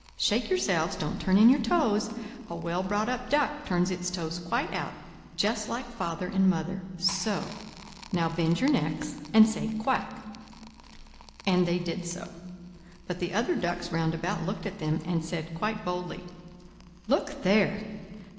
Shake yourselves—don't turn in your toes; a well brought up duck turns its toes quite out, just like father and mother—so! Now bend your necks and say 'Quack!'" And they did so: but the other ducks round about looked at them, and said quite boldly: "Look there!